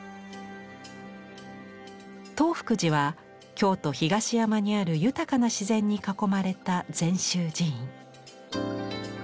東福寺は京都・東山にある豊かな自然に囲まれた禅宗寺院。